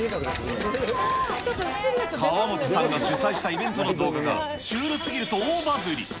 川本さんが主催したイベントの動画が、シュールすぎると大バズり。